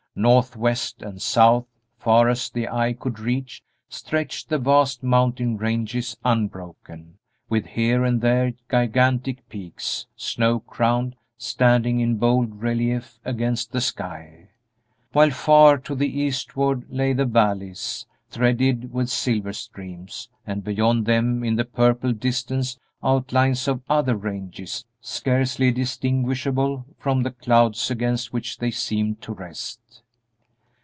North, west, and south, far as the eye could reach, stretched the vast mountain ranges, unbroken, with here and there gigantic peaks, snow crowned, standing in bold relief against the sky; while far to the eastward lay the valleys, threaded with silver streams, and beyond them in the purple distance outlines of other ranges scarcely distinguishable from the clouds against which they seemed to rest.